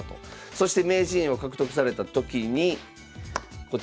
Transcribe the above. そして名人位を獲得された時にこちら。